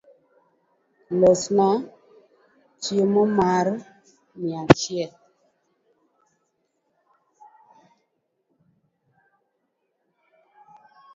Losna chiemo mar mia achiel